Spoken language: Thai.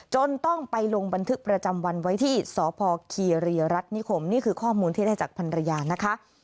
จนต้องไปลงบันทึกประจำวันไว้ที่สพคีรีรัฐนิคมนี่คือข้อมูลที่ได้จากพันรยานะคะ